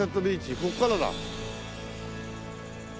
ここからだ。